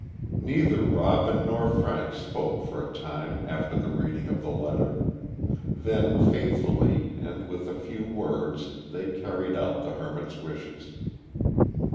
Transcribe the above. Neither Robin nor Frank spoke for a time after the reading of the letter. Then faithfully and with a few words they carried out the hermit's wishes.